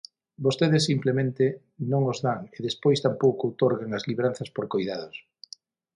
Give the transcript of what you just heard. Vostedes simplemente non os dan e despois tampouco outorgan as libranzas por coidados.